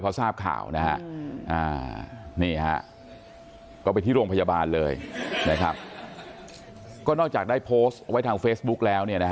เพราะวันนี้ก็ไปโรงพื้นที่ที่สุราณธานีกับกะบีอยู่แล้ว